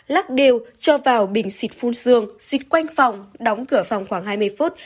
lắc đều cho vào bình xịt phun xương xịt quanh phòng đóng cửa phòng khoảng hai mươi phút